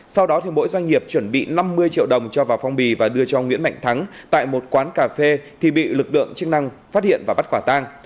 sau đó mỗi doanh nghiệp chuẩn bị năm mươi triệu đồng cho vào phong bì và đưa cho nguyễn mạnh thắng tại một quán cà phê thì bị lực lượng chức năng phát hiện và bắt quả tang